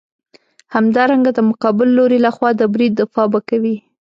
همدارنګه د مقابل لوري لخوا د برید دفاع به کوې.